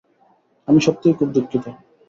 আমি সত্যিই খুব দুঃখিত।